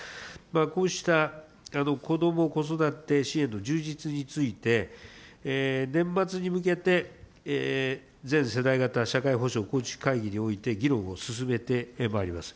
こうした子ども子育て支援の充実について、年末に向けて全世代型社会保障構築会議において議論を進めてまいります。